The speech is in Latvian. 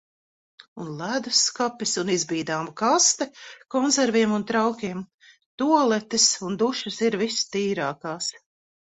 Un ledusskapis, un izbīdāma kaste konserviem un traukiem... Tualetes un dušas ir vistīrākās!